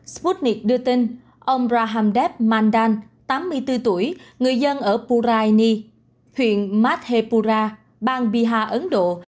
sputnik đưa tin ông rahamdev mandan tám mươi bốn tuổi người dân ở puraini huyện madhepura bang bihar ấn độ